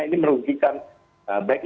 ini merugikan baiknya